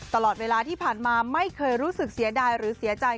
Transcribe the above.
ตลอดเวลาที่ผ่านมาไม่เคยรู้สึกเสียดายหรือเสียใจ